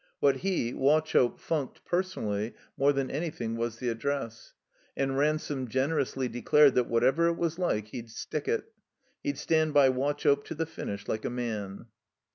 What he, Wauchope, funked, personally, more than anything was the Address. And Ransome, generously, de dared that whatever it was Uke, he'd stick it. He'd stand by Wauchope to the finish, like a man.